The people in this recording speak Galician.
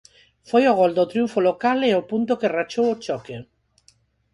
Foi o gol do triunfo local e o punto que rachou o choque.